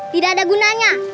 tidak ada gunanya